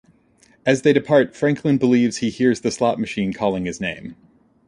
As they depart, Franklin believes he hears the slot machine calling his name.